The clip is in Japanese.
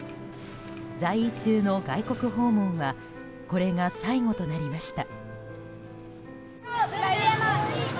在位中の外国訪問はこれが最後となりました。